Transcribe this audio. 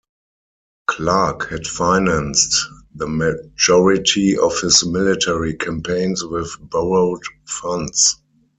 Clark had financed the majority of his military campaigns with borrowed funds.